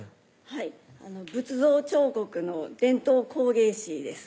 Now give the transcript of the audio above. はい仏像彫刻の伝統工芸士です